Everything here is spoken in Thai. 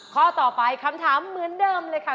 ข้อต่อไปคำถามเหมือนเดิมเลยค่ะ